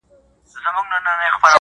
نو خود به اوس ورځي په وينو رنگه ككــرۍ.